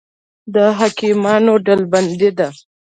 دا حکیمانه ډلبندي ده.